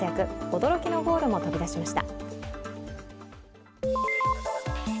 驚きのゴールも飛び出しました。